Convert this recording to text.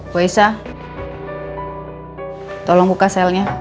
bu elsa tolong buka selnya